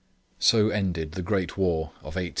So ended the great war of 1878 80.